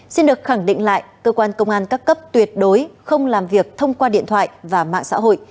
xin được khẳng định lại cơ quan công an các cấp tuyệt đối không làm việc thông qua điện thoại và mạng xã hội